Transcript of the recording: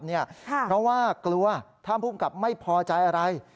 เพราะว่ากลัวท่านภูมิกับไม่พอใจอะไร